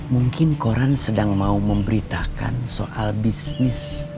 mungkin koran sedang mau memberitakan soal bisnis